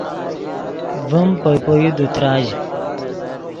ڤیم پئے پے یو دے تراژ